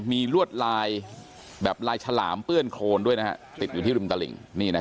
มีลวดลายแบบลายฉลามเปื้อนโครนด้วยติดอยู่ที่ริมตลิ่ง